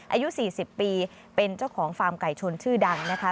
อายุ๔๐ปีเป็นเจ้าของฟาร์มไก่ชนชื่อดังนะคะ